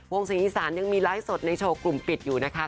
สีอีสานยังมีไลฟ์สดในโชว์กลุ่มปิดอยู่นะคะ